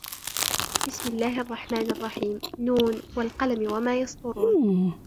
بِسْمِ اللَّهِ الرَّحْمَنِ الرَّحِيمِ ن وَالْقَلَمِ وَمَا يَسْطُرُونَ